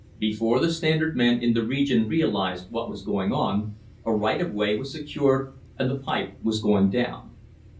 Before the Standard men in the region realised what was going on, a right of way was secured and the pipe was going down.